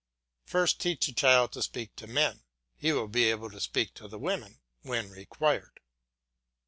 First teach the child to speak to men; he will be able to speak to the women when required.